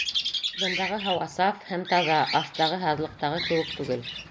Бындағы һауа саф һәм таҙа, аҫтағы һаҙлыҡтағы кеүек түгел.